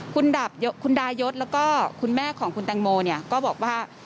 คุณดายศแล้วก็คุณแม่ของคุณแตงโมเนี่ยก็บอกว่า